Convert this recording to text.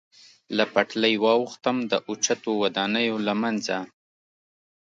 له پټلۍ واوښتم، د اوچتو ودانیو له منځه.